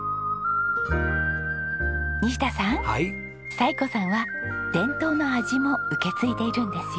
彩子さんは伝統の味も受け継いでいるんですよ。